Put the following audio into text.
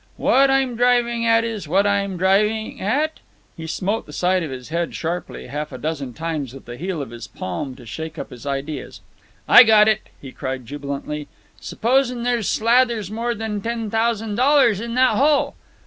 "What I'm drivin' at is ... what am I drivin' at?" He smote the side of his head sharply half a dozen times with the heel of his palm to shake up his ideas. "I got it!" he cried jubilantly. "Supposen there's slathers more'n ten thousand dollars in that hole!"